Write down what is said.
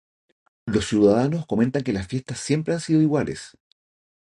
Los ciudadanos comentan que las fiestas siempre han sido iguales.